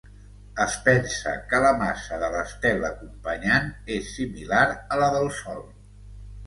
Es pensa que la massa de l'estel acompanyant és similar a la del Sol.